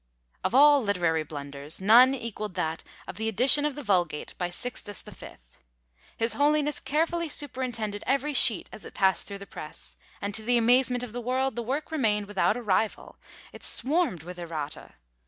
Of all literary blunders none equalled that of the edition of the Vulgate, by Sixtus V. His Holiness carefully superintended every sheet as it passed through the press; and, to the amazement of the world, the work remained without a rival it swarmed with errata!